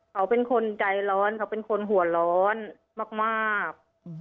เขาเป็นคนใจร้อนเขาเป็นคนหัวร้อนมาก